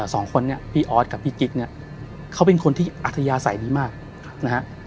สองคนเนี่ยพี่ออสกับพี่กิ๊กเนี่ยเขาเป็นคนที่อัธยาศัยดีมากนะฮะ